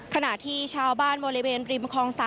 ขณะที่ชาวบ้านบริเวณริมคลอง๓